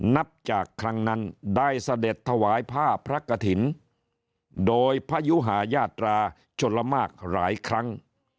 นับจากครั้งนั้นได้เสด็จถวายผ้าพระกฐินโดยพยุหายาตราชลมากหลายครั้ง